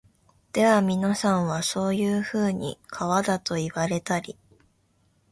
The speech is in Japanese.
ではみなさんは、そういうふうに川だと云いわれたり、